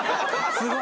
すごい。